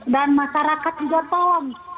dan masyarakat juga tolong